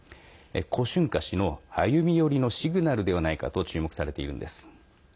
胡春華氏の歩み寄りのシグナルではないかと注目されているんです。